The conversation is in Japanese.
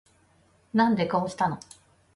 なんでこうしたの